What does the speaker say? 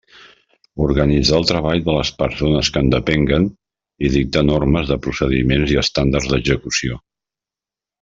Organitzar el treball de les persones que en depenguen i dictar normes de procediments i estàndards d'execució.